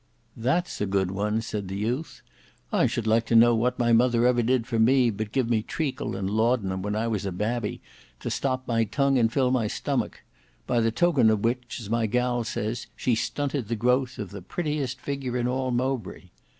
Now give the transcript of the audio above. "That's a good one," said the youth; "I should like to know what my mother ever did for me, but give me treacle and laudanum when I was a babby to stop my tongue and fill my stomach; by the token of which, as my gal says, she stunted the growth of the prettiest figure in all Mowbray."